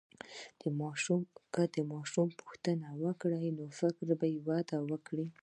که ماشوم پوښتنه وکړي، نو فکر به وده وکړي.